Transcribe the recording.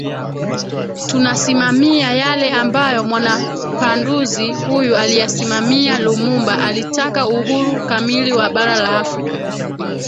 tunasimamia yale ambayo Mwanapanduzi huyu aliyasimamia Lumumba alitaka uhuru kamili wa bara la Afrika